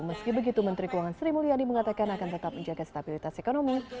meski begitu menteri keuangan sri mulyani mengatakan akan tetap menjaga stabilitas ekonomi